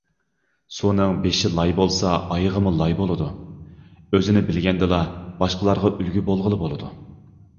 ‹‹ سۇنىڭ بېشى لاي بولسا، ئايىغىمۇ لاي بولىدۇ››،‹‹ ئۆزىنى بىلگەندىلا، باشقىلارغا ئۈلگە بولغىلى بولىدۇ››.